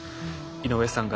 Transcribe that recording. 井上さん